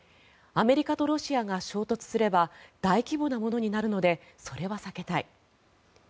アメリカとロシアが衝突すれば大規模なものになるのでそれは避けたい。